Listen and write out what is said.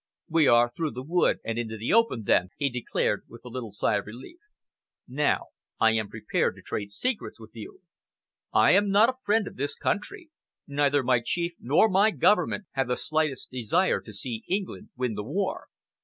"We are through the wood and in the open, then," he declared, with a little sigh of relief. "Now I am prepared to trade secrets with you. I am not a friend of this country. Neither my Chief nor my Government have the slightest desire to see England win the war."